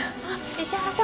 石原さん。